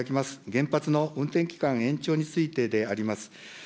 原発の運転期間延長についてであります。